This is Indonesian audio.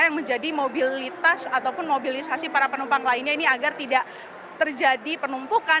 yang menjadi mobilitas ataupun mobilisasi para penumpang lainnya ini agar tidak terjadi penumpukan